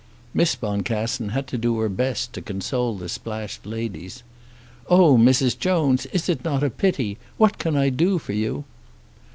Miss Boncassen had to do her best to console the splashed ladies. "Oh Mrs. Jones, is it not a pity! What can I do for you?"